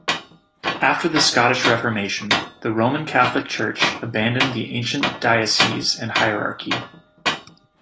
After the Scottish Reformation, the Roman Catholic Church abandoned the ancient dioceses and hierarchy.